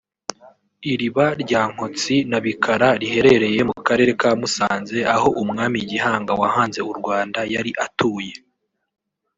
Iriba rya Nkotsi na Bikara riherereye mu karere ka Musanze aho Umwami Gihanga wahanze u Rwanda yari atuye